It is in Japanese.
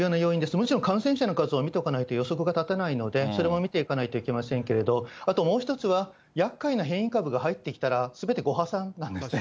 もちろん、感染者の数を見ておかないと、予測が立てないので、それもみておかないといけないですけれどもあともう一つはやっかいな変異株が入ってきたら、すべてご破算なんですね。